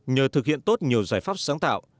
nhờ thực hiện tốt nhiều giải pháp sáng tạo